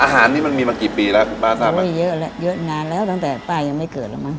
อาหารนี้มันมีมากี่ปีแล้วคุณป้าทราบไหมมีเยอะแล้วเยอะนานแล้วตั้งแต่ป้ายังไม่เกิดแล้วมั้